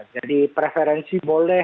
jadi preferensi boleh